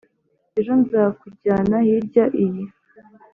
ejo nzakujyana hirya iyi